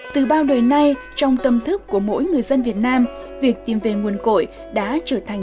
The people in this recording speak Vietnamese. từ bao đời nay trong tâm thức của mỗi người dân việt nam việc tìm về nguồn cội đã trở thành